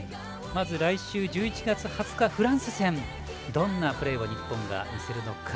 まず来週１１月２０日フランス戦でどんなプレーを日本が見せるのか。